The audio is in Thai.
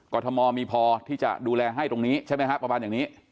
ทมมีพอที่จะดูแลให้ตรงนี้ใช่ไหมฮะประมาณอย่างนี้